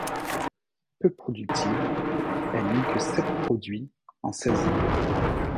Peu productive, elle n'eut que sept produits en seize ans.